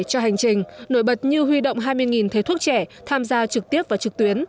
cho hành trình nổi bật như huy động hai mươi thầy thuốc trẻ tham gia trực tiếp và trực tuyến